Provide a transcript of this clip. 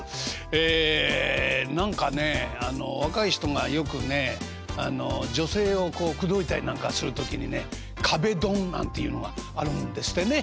ええ何かね若い人がよくねあの女性を口説いたりなんかする時にね「壁ドン」なんていうのがあるんですってね。